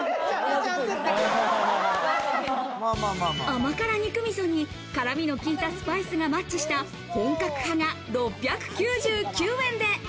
甘辛肉味噌に辛みの効いたスパイスがマッチした本格派が６９９円で。